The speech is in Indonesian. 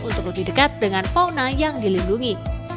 untuk berdekat dengan fauna yang dilindungi